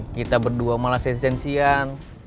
kita berdua malah sensi sensian